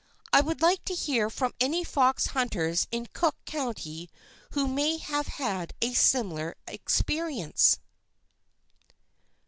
I would like to hear from any of the fox hunters in Cook county who may have had a similar experience.